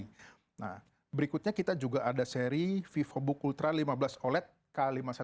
nah berikutnya kita juga ada seri vivobook ultra lima belas oled k lima ratus dua belas